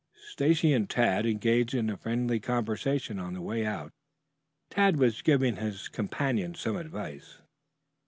Stacy and Tad engaged in a friendly conversation on the way out. Tad was giving his companion some advice.